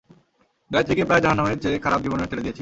গায়েত্রীকে প্রায় জাহান্নামের চেয়ে খারাপ জীবনে ঠেলে দিয়েছি।